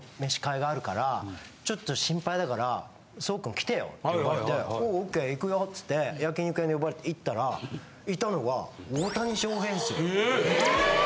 「ちょっと心配だから壮くん来てよ」って言われて「おおＯＫ。行くよ」っつって焼肉屋に呼ばれて行ったらいたのが大谷翔平ですよ。ええっ！